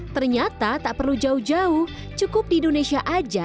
ternyata tak perlu jauh jauh cukup di indonesia aja